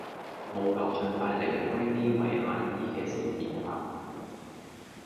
務求盡快離開呢位阿姨嘅視線範圍